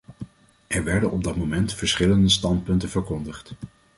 Er werden op dat moment verschillende standpunten verkondigd.